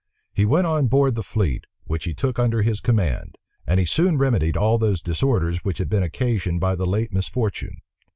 He went on board the fleet, which he took under his command; and he soon remedied all those disorders which had been occasioned by the late misfortune.